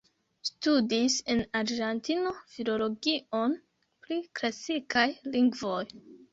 Studis en Argentino Filologion pri Klasikaj Lingvoj.